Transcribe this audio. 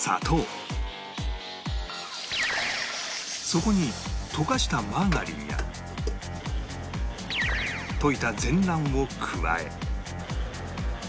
そこに溶かしたマーガリンや溶いた全卵を加え